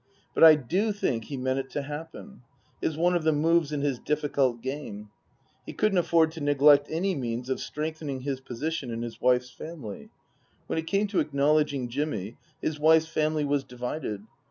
But I do think he meant it to happen. It was one of the moves in his difficult game. He couldn't afford to neglect any means of strengthening his position in his wife's family. When it came to acknowledging Jimmy his wife's family was divided.